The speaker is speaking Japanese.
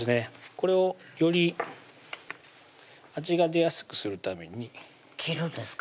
これをより味が出やすくするために切るんですか？